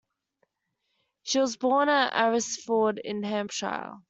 She was born at Alresford in Hampshire.